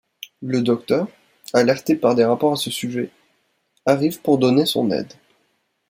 Le Docteur, alerté par des rapports à ce sujet, arrive pour donner son aide.